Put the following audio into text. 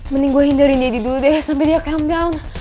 mending gue hindarin deddy dulu deh sampe dia calm down